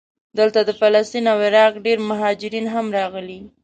دلته د فلسطین او عراق ډېر مهاجرین هم راغلي.